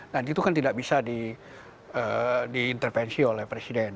dan itu kan tidak bisa diintervensi oleh presiden